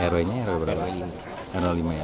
rw nya berapa